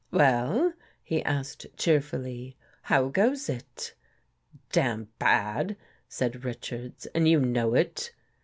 " Well," he asked cheerfully, " how goes it? "" Damn bad," said Richards, " and you know it."